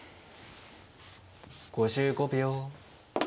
５５秒。